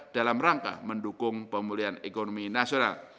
dalam rangka mendukung pemulihan ekonomi nasional